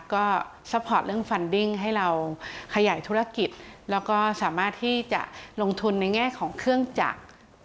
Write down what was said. ก็ซัพพอร์ตเรื่องฟันดิ้งให้เราขยายธุรกิจแล้วก็สามารถที่จะลงทุนในแง่ของเครื่องจักร